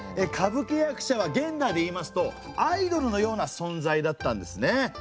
歌舞伎役者は現代でいいますとアイドルのような存在だったんですね。